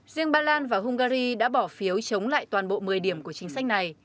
riêng ba lan và hungary đã bỏ phiếu chống lại toàn bộ một mươi điểm của chính sách này